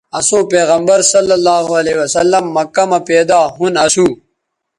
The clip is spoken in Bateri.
اَسوں پیغمبرؐ مکہ مہ پیدا ھُون اَسو